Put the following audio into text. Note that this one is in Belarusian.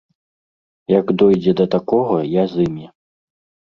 Як дойдзе да такога, я з імі.